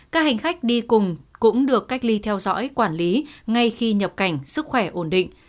các hành khách đi cùng cũng được cách ly theo dõi quản lý ngay khi nhập cảnh sức khỏe ổn định